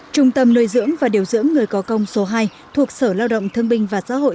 trung tâm nuôi dưỡng và điều dưỡng người có công số hai thuộc sở lao động thương binh và xã hội